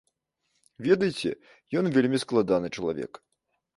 Ведаеце, ён вельмі складаны чалавек.